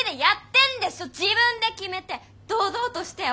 自分で決めて堂々としてよ